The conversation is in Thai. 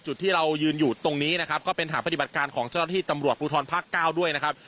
จุดที่เรายืนอยู่ตรงนี้นะครับก็เป็นฐานปฏิบัติการของเจ้าหน้าที่ตำรวจภูทรภาคเก้าด้วยนะครับ